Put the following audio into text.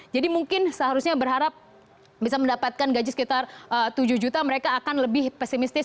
jadi mungkin seharusnya berharap bisa mendapatkan gaji sekitar tujuh juta mereka akan lebih pesimistis